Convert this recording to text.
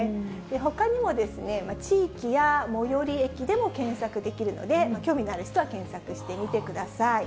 ほかにもですね、地域や最寄り駅でも検索できるので、興味のある人は検索してみてください。